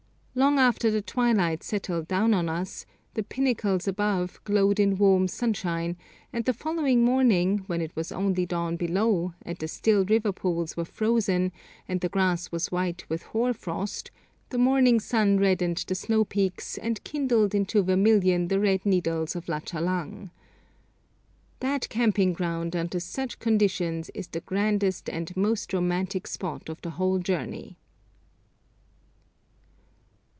Long after the twilight settled down on us, the pinnacles above glowed in warm sunshine, and the following morning, when it was only dawn below, and the still river pools were frozen and the grass was white with hoar frost, the morning sun reddened the snow peaks and kindled into vermilion the red needles of Lachalang. That camping ground under such conditions is the grandest and most romantic spot of the whole journey.